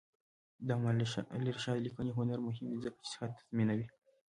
د علامه رشاد لیکنی هنر مهم دی ځکه چې صحت تضمینوي.